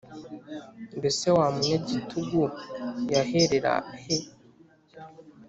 Mbese wa munyagitugu, yaherera he?